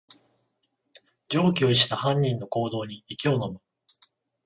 常軌を逸した犯人の行動に息をのむ